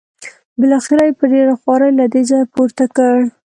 بالاخره یې په ډېره خوارۍ له دې ځایه پورته کړ.